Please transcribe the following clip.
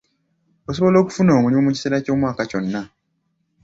Osobola okufuna omulimu mu kiseera ky'omwaka kyonna